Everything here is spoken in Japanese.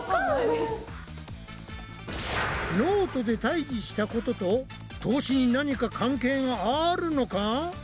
ノートで退治したことと透視に何か関係があるのか？